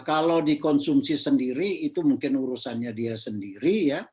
kalau dikonsumsi sendiri itu mungkin urusannya dia sendiri ya